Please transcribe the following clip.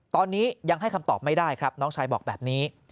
ตอนนี้ยังให้คำตอบไม่ได้ครับน้องชายบอกแบบนี้